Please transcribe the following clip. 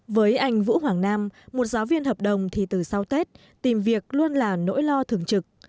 với anh vũ hoàng nam một giáo viên hợp đồng thì từ sau tết tìm việc luôn là nỗi lo thường trực